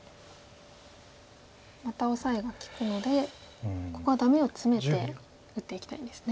またオサエが利くのでここはダメをツメて打っていきたいんですね。